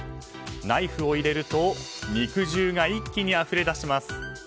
ナイフを入れると肉汁が一気にあふれ出します。